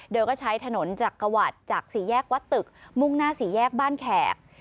โดยก็ใช้ถนนจักรวรรดิจากสี่แยกวัดตึกมุ่งหน้าสี่แยกบ้านแขก